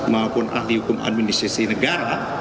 maupun ahli hukum administrasi negara